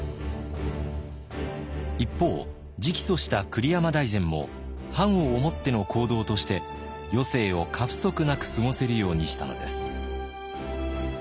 一方直訴した栗山大膳も藩を思っての行動として余生を過不足なく過ごせるようにしたのです。